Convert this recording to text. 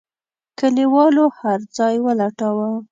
کليوالو هرځای ولټاوه.